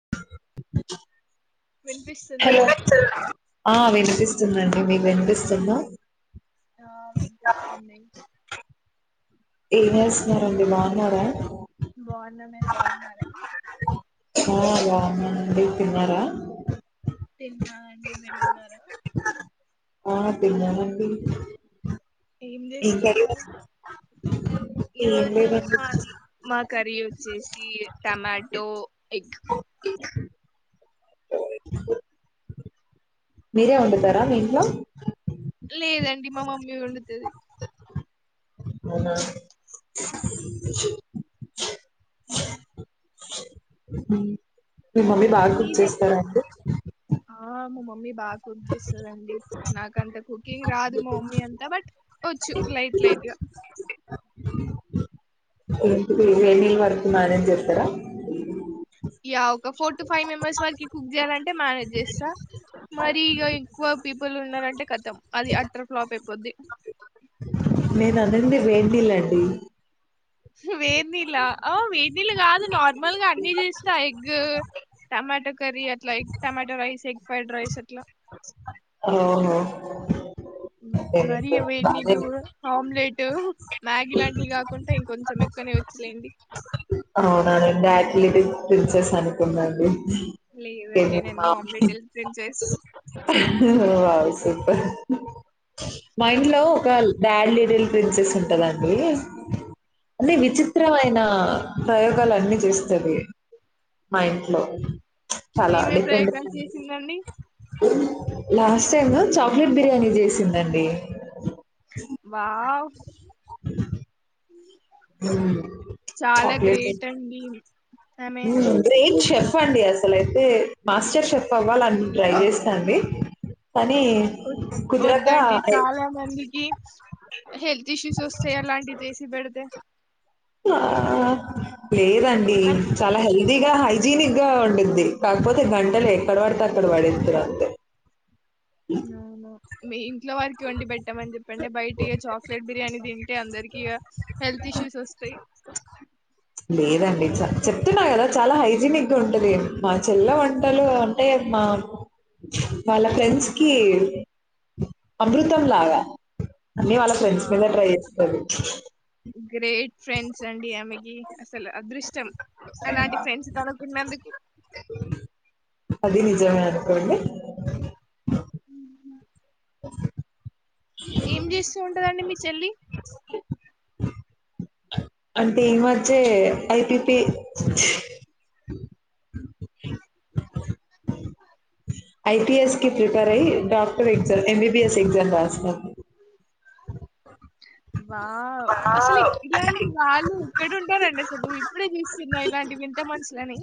Check వినిపిస్తుందా ఆ వినిపిస్తుందం ది మీకు వినిపిస్తున్నా ఆ వినిపిస్తుంది డగ్ ఏం చేస్తున్నారంండి బాగున్నారా బాగున్నా మీరు బాగున్నారా ఆ బావున్నా మండి మీరు తిన్నార తిన్నా అండి మీర్ తిన్నా ఆ తిన్నానండి ఏం చేస్తున్నారు ఏం ఈరోోజు లేదండి మాది మా కర్రీ వచ్చేసి టమాటో ఎగ్ ఆహ లేదండి మా మమ్మీ వండుతది అహ మీ మమ్మీ బాగ కుక్ మీదేం చేస్తారంండి ఆ మా మమ్మీ బాగ కుక్ చేస్తుందండి నాకంత కుకింగ్ రాదు మా మమ్మీ అంతా బట్ వచ్చు లైట్ లైట్ గా ఎంటి హెవీ వర్కు మేనేజ్ చేస్తారా యా ఒక ఫోర్ టు ఫైవ్ మెంబర్స్ వరకు కుక్ చేయాలంటే మేనేజ్ చేస్తా మరి రీ ఇగ ఎక్కువ పీపుల్ ఉన్నారంటే కతం అది అట్టర్ ఫ్లాప్ అయిపోద్ది అదండీ వేడ్ నీల్లండి వెన్నిల్ల అ వెన్నిళ్ళు కాదు నార్మల్గ అన్ని చేస్తా ఎగ్ టమాటా కర్రీ అట్ల egg tomato rice egg fried rice అట్లా ఒకె మరియు వెనీళ్ళు ఆమ్లెట్ మ్యాగీ లాంటివి కాకుండ ఇంకొంచెం ఎక్కువనే వచ్చు లెండి అవునా నేను యాటిలిటిక్ ప్రిన్సెస్ అనుకున్న అండి [inaudible] లేదండి నేను మా omelette princess wow super mind లో థ్యాంక్ ఒక యూ డాడ్ లిటిల్ ప్రిన్సెస్ ఉంటదండి అన్ని విచిత్రమైనా ప్రయోగాలు అన్ని చేస్తాది మా ఇంట్లో చాలా ఏమేం డిఫరెంట్ ప్రయోగాలు డిఫరెంట్ చేసిందండి లాస్ట్ టైము చాక్లెట్ బిర్యానీ చేసిందండి వా వ్ మ్మ్ చాలా చాక్లెట్ గ్రేట్ అండి ఆమె గ్రేట్ చెఫ్ అండి అసలైతే మాస్టర్ షెఫ్ అవ్వాలని ట్రై చేస్తాంది కానీ వద్ కుదరక వద్దండి చాలా మందికి హెల్త్ ఇష్యూస్ వస్తాయి అలాంటివి చేసి పెడితే ఆ లేదండి చాలా హెల్దీ గ హైజీనిక్ గా వండింది కాకపోతే గంటే లే ఎక్కడ పడితే అక్కడ పడేతంది అవున మెయిన్ ఇంట్లో వారికి వండి పెట్టమని చెప్పండే బయట ఇగ చాక్లెట్ బిర్యానీ తింటే అందరికి ఇగ హెల్త్ ఇష్యూస్ వస్తయ్ లేదండి చ చెప్తున్నా గదా చాలా హైజీనిక్ గా ఉంటది మా చెల్ల వంటలు ఉంటాయ్ మా వాళ్ళ ఫ్రెండ్స్ కీ అమృతం లాగా అన్ని వాళ్ళ ఫ్రెండ్స్ వావ్ మీద్నే ట్రై జేస్తది గ్రేట్ ఫ్రెండ్స్ అండి ఆమెకీ అసలు అదృష్టం ఆలాంటి ప్రెండ్స్ తనక్ కున్నందుకు అది నిజమే అనుకోండి ఉ హు ఏం జేస్తూ ఉంటదండి మీ చెల్లి అంటే ఈ మధ్యే ఐపీపీ ఐపిఎస్ కి ప్రిపేర్ అయి డాక్టర్ ఎగ్జాఎంబిబిఎస్ ఎగ్జామ్ రాస్తంది ఆవ్ అసలు ఇలాంటి వాళ్ళు ఇక్కడ ఉంటారండి అసలు ఇప్పుడే జూస్తున్నా ఇలాంటి వింత మనుషులని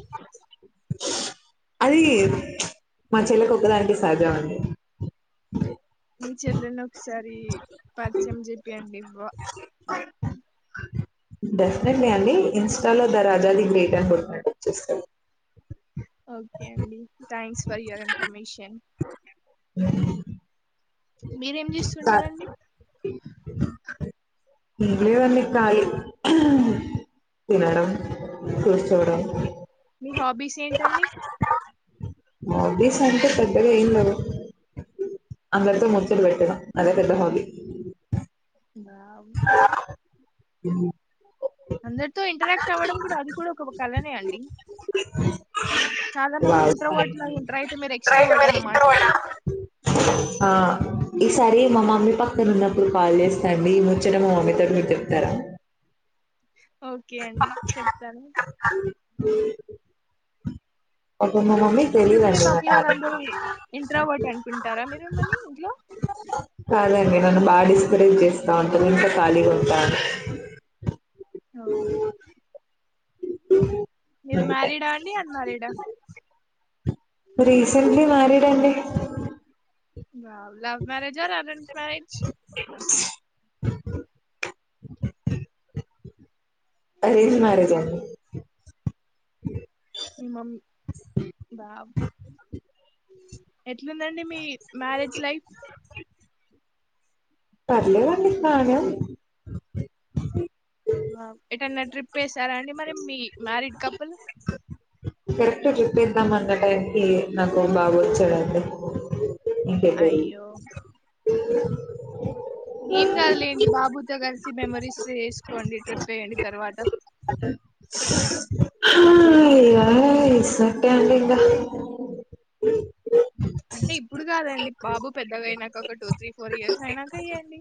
అది మా చెల్లేకు ఒక్కదానికే సాధ్యం అండి మీ చెల్లెని ఒకసారి పరిచయం చెపీయండి వా డెఫినెట్లీ అండి ఇన్స్టాలో ద రాజా ది గ్రేట్ అని గొట్టండి వచ్చేస్తది ఓకే అండి థ్యాంక్స్ ఫర్ యువర్ ఇన్ఫర్మేషన్ మీరేం కాదు జేస్తుంటారండి [unintelligible] కాలి మేడం కోస్ మీ హాబీ స్ ఏంటండీ హాబీస్ అంటే పెద్దగా ఎం లెవు అందరితో ముచ్చట్లు పెట్టర అదే పెద్ద హాబీ దా హు అందర తో ఇంటరాక్ట్ అవ్వడం కూడా అది కూడా ఒక కలనే అండి చాలా మంది వావ్ ఇంట్రోవర్ట్ లాగా ఉంటారు. అయితే మీరు ఎక్స్ట్రావర్ట్ అన్నమాట. ఆ ఈ సారి మా మమ్మీ పక్కన ఉన్నప్పుడు కాల్ చేస్తా అండి ఈ ముచ్చట మా మమ్మి తోటి మీరు చెప్తారా ఓకే అండి చెప్తాను పాపం మా మమ్మీకి ఎందుకు మీ తెలీదండి నా మమ్మీ వాళ్ళ టాలెంట్. అంటది ఇంట్రోవర్ట్ అనుకుంటారా మీరు మిమ్మల్ని ఇంట్లో ను బా డిస్పరేట్ చేస్తా అంట ఇంట్లో ఖాళీగా ఉంటా ఓ మీరు అందుకని. మ్యారీడా అండి అన్ మ్యారీడా రీసెంట్లీ మ్యారీడ్ అండి love marriage or arrange marriage arranged marriage అండి మీ మమ్మీ వావ్! ఎట్లుందండి మీ మ్యారేజ్ లైఫ్ పర్లేదండి బానే ఉంది ఆ ఎటన్న ట్రిప్ ప్పేశారా అండి మరి మీ మ్యారీడ్ కపుల్ కరెక్ట్గా ట్రిప్పేద్దాం అన్న టైంకి నాకో బాబోచ్చాడండి అయ్యో ఏం కాదులేండి బాబుతోగ సి మెమోరీస్ చేసుకోండి ట్రిప్ ఏయండి తర్వాత హ ఇగ [unintelligible] అంటే ఇప్పుడు కాదండి బాబు పెద్దగా అయినాక ఒక టూ త్రీ ఫోర్ ఇయర్స్ అయినాక ఎ య్యండి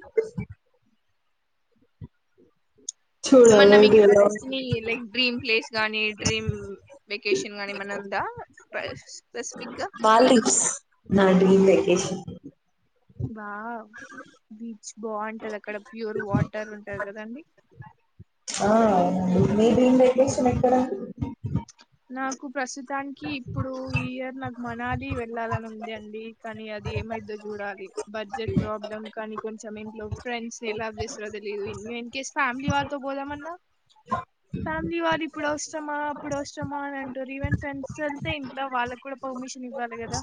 ఏమన్నా మీకు చూడాలండి ఇట్లా ఎలా ఉంటదో డెస్టినీ లైక్ డ్రీమ్ ప్లేస్ గానీ డ్రీమ్ వెకేషన్ గాని ఏమన్నా ఉందా స్పెసిఫిక్గా? మాల్దీవ్స్ నా డ్రీమ్ వెకేషన్ వావ్ బీచ్ బాగుంటది అక్కడ ప్యూర్ వాటర్ ఉంటది కదండి ఆ అవును మీ డ్రీమ్ వెకేషన్ ఎక్కడ అండి నాకు ప్రస్తుతానికి ఇప్పుడు ఈ ఇయర్ నాకు మనాలి వెళ్ళాలని ఉంది అండి కానీ అది ఏమైద్దో చూడాలి బడ్జెట్ ప్రాబ్లమ్ కానీ కొంచెం ఇంట్లో ఫ్రెండ్స్ ని ఎల్లవ్ చేస్తారో తెలిదు ఇన్ కేస్ ఫ్యామిలీ వారితో పోదామన్నా ఫ్యామిలీ వాలు ఇప్పుడు వస్తామా అప్పుడు వస్త మా అని అంటుర్రు ఈవెన్ ఫ్రెండ్స్ తో వెళ్తే ఇంట్లో వాళ్ళకి కూడా పర్మిషన్ ఇవ్వాలి కదా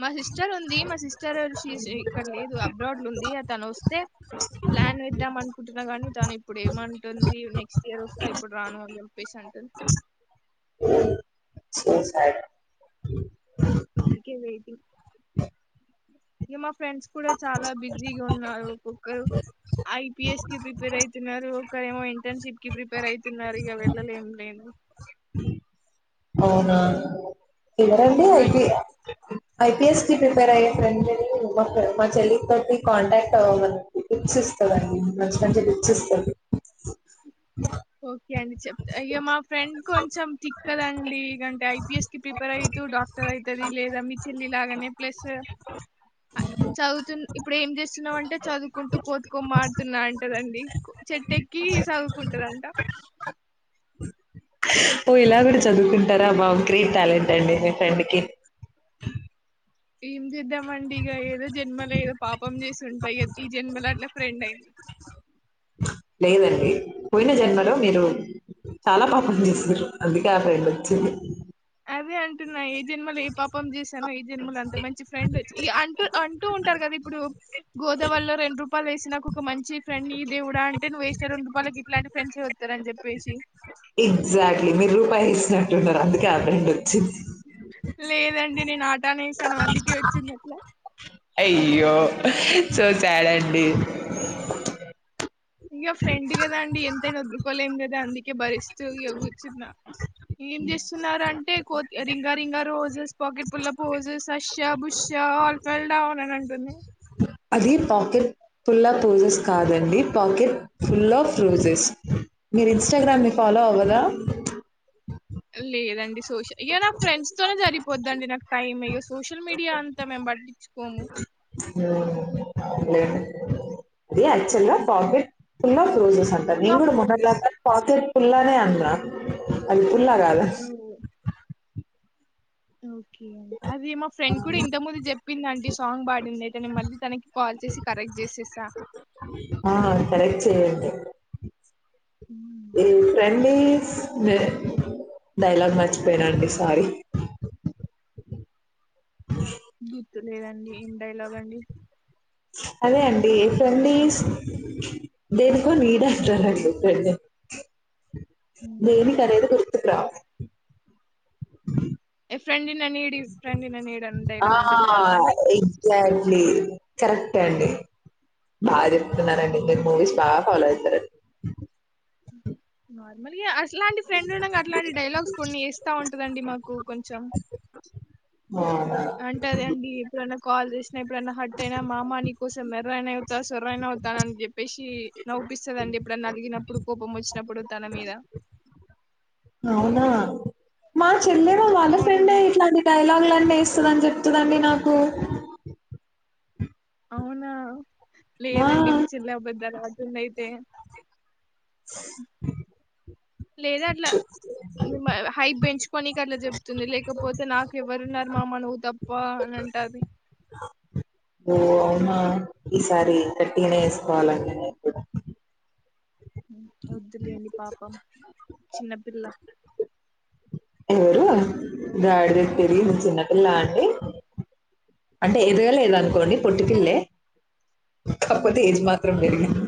మా సిస్టర్ ఉంది మా సిస్టర్ వచ్చేసి ఇక్కడ లేదు అబ్రాడ్ ఉంది తను వస్తే ప్లాన్ వేద్దాం అనుకుంటున్నా కాని తను ఇప్పుడు ఏమంటుంది నెక్స్ట్ ఇయర్ వస్తా ఇప్పుడు రాను అని చెప్పేసి అంటుంది. ఉ సరే అందుకే వెయిటింగ్ ఇగ మాకు ఫ్రెండ్స్ కూడా చాలా బిజీగా ఉన్నారు ఒకరు ఐపీఎస్ కి ప్రిపేర్ ఐతున్నారు ఒకరేమో ఇంటర్న్షిప్ కి ప్రిపేర్ ఐతున్నారు ఇగా వెళ్లలేం లెండి అవునా? ఎవరండీ ఐపి ఐపీఎస్ కి ప్రిపేర్ అయ్యే ఫ్రెండ్ ని మా మా చెల్లి తోటి కాంటాక్ట్ అవ్వమనండి హింట్స్ ఇస్తదండి మంచి మంచి హింట్స్ ఇస్తది. ఓ ఒకే అండి చెప్ తా అయ్యో మా ఫ్రెండ్ కొంచెం తిక్ కదండి ఇగ అంటే ఐపిఎస్ కి ప్రిపేర్ అయితూ డాక్టర్ అయితది ది లేదా మీ చెల్లి లాగానే ప్లస్ చదువుతూ ఇప్పుడు ఏం చేస్తున్నావుంటే చదువుకుంటూ కోతికొమ్మ ఆడుతున్న అంటదండి చెట్టు ఎక్ కీ చదువుకుంటదంట ఓ ఇలా కూడా చదువుకుంటారా వావ్ గ్రేట్ టాలెంట్ అండి మీ ఫ్రెండ్ కి ఏం చేద్దామండి ఇక ఏదో జన్మలే ఏదో పాప పాపం చేసి ఉంటా ఈ జన్మల అట్లా ఫ్రెండ్ అయింది లేదండి పోయిన జన్మలో మీరు చాలా పాపం చేసారు అందుకే ఆ ఫ్రెండ్ వచ్చింది. అదే అంటున్నా ఏ జన్మలు ఏ పాపం చేశానో ఈ జన్మల అంత మంచి ఫ్రెండ్ అంటూ అంటూ ఉంటారు కదా ఇప్పుడు గోదావలో రెండు రూపాయలు వేసి నాకు ఒక మంచి ఫ్రెండ్ ఈ దేవుడా అంటే నువ్వు వేసినా రెండు రూపాయలకి ఇట్లాంటి ఫ్రెండ్స్ వస్తార అని చెప్పేసి ఎగ్జాక్ట్లీ మీరు రూపాయి ఇచ్చినట్టున్నారు అందుకు ఆ ఫ్రెండ్ వచ్చింది లేదండి నేను ఆటానే ఇస్తాను అందుకే వచ్చింది అట్లా అయ్యో చూసాడండి అయ్యో ఫ్రెండ్ కదా అండి ఎంతైనా వదు్కోలేం కదా అందుకే భరిస్తూ ఇగ కూర్చున్నా ఏం చేస్తునార్ అంటే కోతి రింగ రింగా రోజెస్ పాకెట్ పుల్ల posies husha busha all fall down అని అంటుంది అది పాకెట్ ఫుల పోోజెస్ కాదండి పాకెట్ ఫుల ఫోజెస్ మీరు ఇన్స్టాగ్రామ్ ని ఫాలో అవ్వరాా? లేదండి సోషల్ ఇయ్యో నా ఫ్రెడ్స్ తోనే సరిపోది అండి నాకు టైమ్ ఇయో సోషల్ మీడియా అంతా మేమ్ బట్ టిచుకోము మ్మ్ అది యాక్టుల్ గా pocket full of roses [unintelligible] full నేన్ ఆఫ్ కూడా మొన్నటి రోజెస్. దాకా పాకెట్ స్కూల్లోనే అంట అది స్కూల్లో కాదు ఓహ్! ఓకే అది మా ఫ్రెండ్ కూడా ఇంత ముందు చెప్పింద అండి సాంగ్ పాడింది అయితే మళ్ళీ తనకి కాల్ చేసి కరెక్ట్ చేసేసా ఆ కరెక్ట్ చేయండి ఉ ఈ ఫ్రెండ్లీస్ డైలాగ్ మర్చిపోయానాండి సారీ గుర్తు లేదండి ఏం డైలాగ్ అండి అదే అండి ఫ్రెండ్లీ దేనికో నీ దాంట్లో అండి హ్మ్. దేనికి అనేది గుర్తుకు రాదు door sound a friend in need friend in need అని ఆ డైలాగ్ ఉంటది చూడరా అండి? ఎగ్జాక్ట్లీ కరెక్టే అండి బాగా చెప్పారు ఏం చేస్తున్నారండి మీరు హ్మ్. మూవీస్ బాగా ఫాలో అవుతారు సరే నార్మల్గా అసలే ఇలాంటి ఫ్రెండ్ ఉండగా అలాంటి డైలాగస్ కొన్ని వస్తా ఉంటాదండి మాకు నువ్వు కొంచెం అవునా అంటదండి ఎప్పుడైనా కాల్ చేసినా ఎప్పుడైనా హట్ అయినా మామా కోసం మెర్రయినా అవుతా సొరైనా అవుతానని చెప్పేసి నవ్పిస్తది ఎప్పుడైనా అలిగినప్పుడు కోపం వచ్చినప్పుడు తన మీద అవునా మా చెల్లె వాళ్ళ ఫ్రెండ్ అవునండి ఇట్లాంటి డైలాగ్ అన్ని తానే చేస్తున్నానని చెప్తుందండి నాకు అవునా ఆ! లేదండి మీ చెల్లె అబద్ధాలు ఆడుతుంది అయితే డోర్ సౌండ్ లేదా అట్లా మాది హై బెంచ్ ఏమో నీకు అట్ల చెప్తుంది లేకపోతే నాకు ఎవ్వరున్నారు మామ నువ్వు తప్ప అని అంటది ఓ అవునా ఈసారి గట్టిగానే వేసుకోవాలని వద్దులేడి పాపం చిన్నపిల్ల అవునా గాడిద ఎత్తు ఏదిగింది చిన్న పిల్ల అండి అంటే ఎదగలేదు అనుకోండి పొట్టి ఇల్లే కాపోతే హ్మ్. ఏజ్ మాత్రం పెరిగింది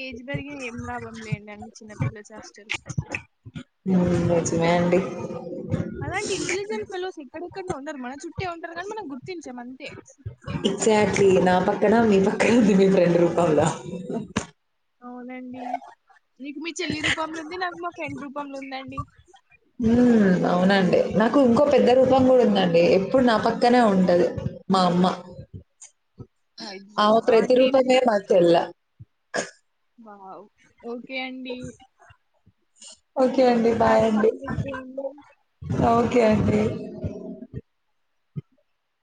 ఏజ్ పెరిగిన ఏం లాభం లేండి చిన్నపిల్ల చేష్టలు నిజమే అండి అలాంటి ఇంటెలిజెంట్ ఫేల్సో అక్కడెక్కడ ఉండరు మన చుట్టే ఉంటారు కాగానీ మనం గుర్తించాం అంతే ఎక్సాక్ట్లీ నా పక్కన మీ పక్కన ఉంది మీ ఫ్రెండ్ రూపములా అవునండి నీకు మీ చెల్లి రూపంలో ఉంది నాకు మా ఫ్రెండ్ రూపంలో ఉందండి ఉమ్మ్ అవునండి నాకు ఇంకో పెద్ద రూపంలో కూడా ఉందండి. ఎప్పుడు నా పక్కనే ఉంటది మా అమ్మ. అయ్యో! ఆమ్ ఆంటీ ఏం ప్రతిరూపమే చేస్తది? మా చెల్లా వావ్ ఓకే అండి ఓకే అండి బాయ్ హావ్ అండి ఫన్ విత్ దెమ్. ఓ కేండి